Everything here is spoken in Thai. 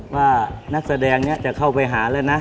ว่านักแสดงนี้จะเข้าไปหาแล้วนะ